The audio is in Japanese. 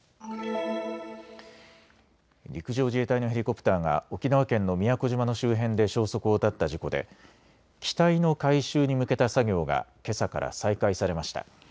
陸上自衛隊のヘリコプターが沖縄県の宮古島の周辺で消息を絶った事故で機体の回収に向けた作業がけさから再開されました。